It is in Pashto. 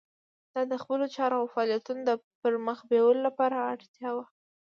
دا د خپلو چارو او فعالیتونو د پرمخ بیولو لپاره اړتیا وه.